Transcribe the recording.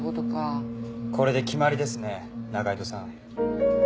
これで決まりですね仲井戸さん。